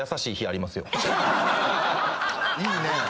いいね。